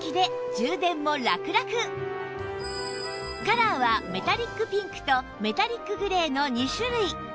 カラーはメタリックピンクとメタリックグレーの２種類